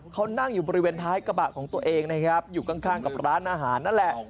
เขานั่งอยู่บริเวณท้ายกระบะของตัวเองนะครับอยู่ข้างกับร้านอาหารนั่นแหละ